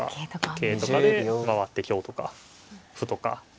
桂とかで回って香とか歩とか。